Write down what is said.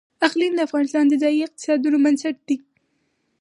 اقلیم د افغانستان د ځایي اقتصادونو بنسټ دی.